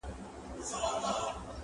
په پسته ژبه يې نه واى نازولى-